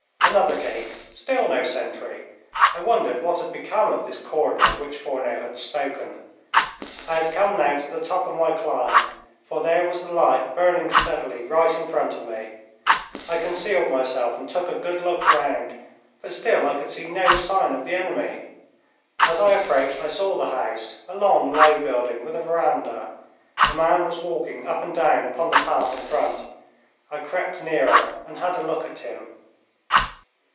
Another gate still no sentry! I wondered what had become of this cordon of which Fourneau had spoken. I had come now to the top of my climb, for there was the light burning steadily right in front of me. I concealed myself and took a good look round, but still I could see no sign of the enemy. As I approached I saw the house, a long, low building with a veranda. A man was walking up and down upon the path in front. I crept nearer and had a look at him.